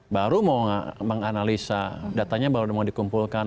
baru mau menganalisa datanya baru mau dikumpulkan